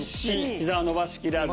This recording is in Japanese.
ひざを伸ばしきらず。